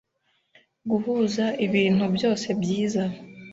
Guhuza ibintu byose byiza